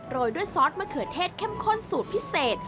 ด้วยซอสมะเขือเทศเข้มข้นสูตรพิเศษ